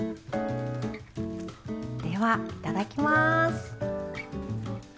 ではいただきます！